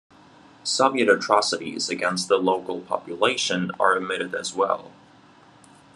Soviet atrocities against the local population are omitted as well.